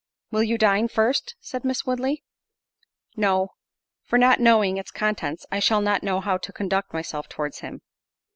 "Will you dine first?" said Miss Woodley. "No—for not knowing its contents, I shall not know how to conduct myself towards him."